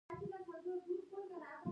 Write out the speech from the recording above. ښه ده خبره پرېږدې.